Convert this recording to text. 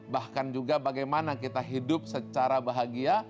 bahkan juga bagaimana kita hidup secara bahagia